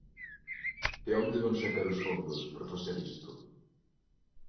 ¿De onde van sacar os fondos para facer isto?